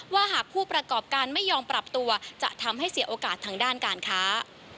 หากผู้ประกอบการไม่ยอมปรับตัวจะทำให้เสียโอกาสทางด้านการค้า